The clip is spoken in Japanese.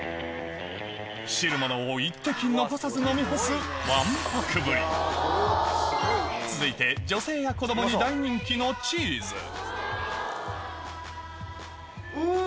汁物を一滴残さず飲み干すわんぱくぶり続いて女性や子供に大人気のうん。